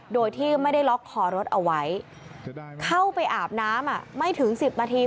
โดยที่ไม่ได้ล็อกคอรถเอาไว้เข้าไปอาบน้ำไม่ถึงสิบนาที